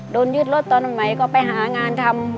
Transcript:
ยึดรถตอนใหม่ก็ไปหางานทำ